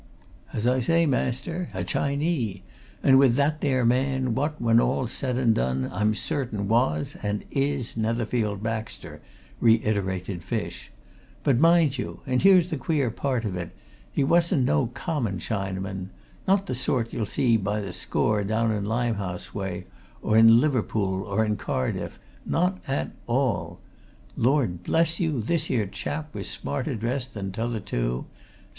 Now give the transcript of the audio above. "As I say, master, a Chinee, and with that there man, what, when all's said and done, I'm certain was and is Netherfield Baxter," reiterated Fish. "But mind you, and here's the queer part of it, he wasn't no common Chinaman. Not the sort that you'll see by the score down in Limehouse way, or in Liverpool, or in Cardiff not at all. Lord bless you, this here chap was smarter dressed than t'other two!